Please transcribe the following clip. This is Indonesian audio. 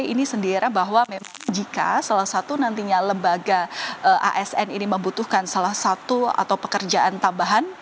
ini sendiri bahwa jika salah satu nantinya lembaga asn ini membutuhkan salah satu atau pekerjaan tambahan